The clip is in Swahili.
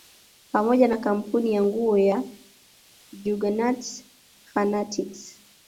Pamoja na kampuni ya nguo ya Juggernaut fanatics